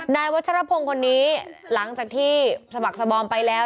นายวัชรพงศ์คนนี้หลังจากที่สะบักสบอมไปแล้ว